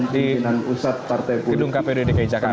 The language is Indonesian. di pusat gedung kpud dki jakarta